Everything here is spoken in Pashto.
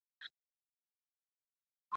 علمي معيارونه بايد په ټولو برخو کي مراعات سي.